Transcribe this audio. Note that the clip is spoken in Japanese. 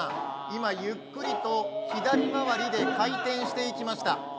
今、ゆっくりと左回りで回転していきました。